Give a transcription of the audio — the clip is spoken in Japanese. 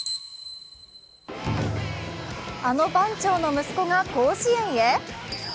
あの番長の息子が甲子園へ？